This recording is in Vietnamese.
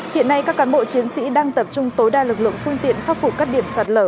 hiện nay các cán bộ chiến sĩ đang tập trung tối đa lực lượng phương tiện khắc phục các điểm sạt lở